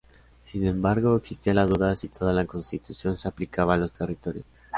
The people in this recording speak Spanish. Sin embargo, existía la duda si toda la Constitución se aplicaba a los territorios.